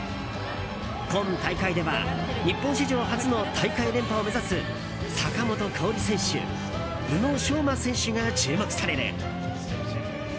今大会では日本史上初の大会連覇を目指す坂本花織選手宇野昌磨選手が注目される。